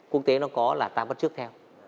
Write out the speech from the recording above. quốc tế nó có là ta bắt trước theo